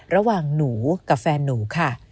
ระหว่างหนูกับแฟนหนูค่ะ